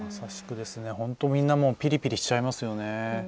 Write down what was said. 本当、みんなもぴりぴりしちゃいますよね。